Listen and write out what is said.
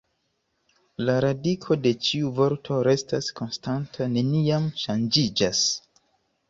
La radiko de ĉiu vorto restas konstanta, neniam ŝanĝiĝas.